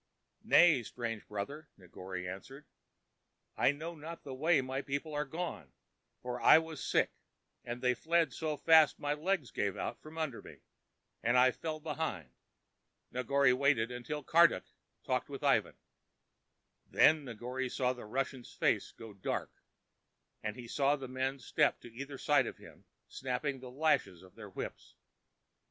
"Nay, strange brother," Negore answered, "I know not the way my people are gone, for I was sick, and they fled so fast my legs gave out from under me, and I fell behind." Negore waited while Karduk talked with Ivan. Then Negore saw the Russian's face go dark, and he saw the men step to either side of him, snapping the lashes of their whips.